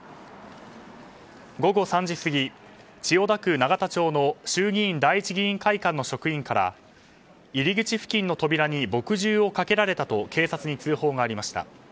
午後３時過ぎ、千代田区永田町の衆議院第一議員会館の職員から入り口付近の扉に墨汁をかけられたと警察に通報がありました。